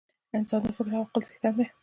انسان د فکر او عقل څښتن دی.